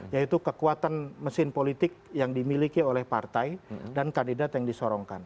yaitu kekuatan mesin politik yang dimiliki oleh partai dan kandidat yang disorongkan